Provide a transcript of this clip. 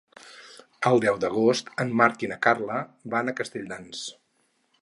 El deu d'agost en Marc i na Carla van a Castelldans.